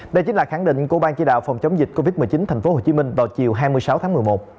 đây chính là khẳng định của ban chỉ đạo phòng chống dịch covid một mươi chín tp hcm vào chiều hai mươi sáu tháng một mươi một